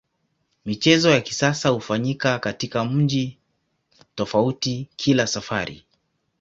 Michezo ya kisasa hufanyika katika mji tofauti kila safari.